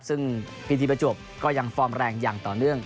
ซึ่งพีทีประจวบก็ยังฟอร์มแรงอย่างต่อเนื่อง